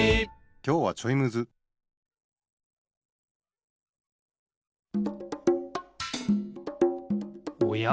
きょうはちょいむずおや？